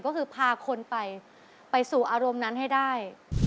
ก็คือพาคนไปไปสู่อารมณ์นั้นให้ได้